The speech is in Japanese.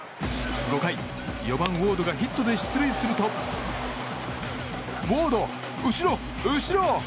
５回、４番ウォードがヒットで出塁するとウォード、後ろ、後ろ！